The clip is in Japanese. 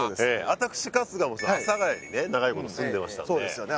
私春日も阿佐ヶ谷にね長いこと住んでましたんでそうですよね